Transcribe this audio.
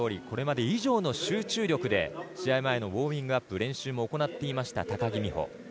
これまで以上の集中力で試合前のウォームアップを行っていました高木美帆。